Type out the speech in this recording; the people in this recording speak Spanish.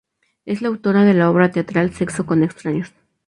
Es la autora de la obra teatral Sexo con extraños.